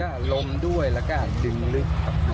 ก็ลมด้วยแล้วก็ดึงลึกครับ